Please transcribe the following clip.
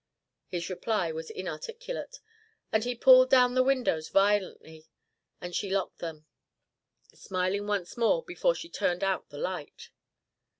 His reply was inarticulate, but he pulled down the windows violently, and she locked them, smiling once more before she turned out the light.